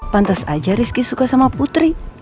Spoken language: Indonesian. pantas aja rizky suka sama putri